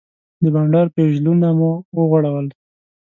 د بانډار پیژلونه مو وغوړول.